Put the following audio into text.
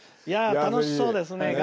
いや楽しそうですね。